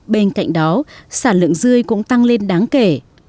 bên cạnh đó sản lượng dươi cũng tăng lên đáng kể